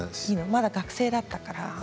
まだ学生だったから。